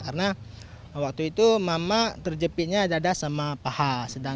karena waktu itu mama terjepitnya ada sama paha